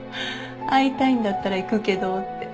会いたいんだったら行くけどって。